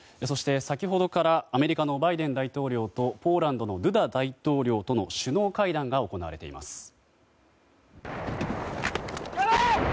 そして、先ほどからアメリカのバイデン大統領とポーランドのドゥダ大統領との首脳会談が行われています。